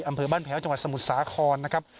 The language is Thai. อำเภอบ้านแพ้วจังหวัดสมุทรสาครนะครับ